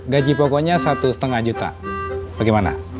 gaji pokoknya satu lima juta bagaimana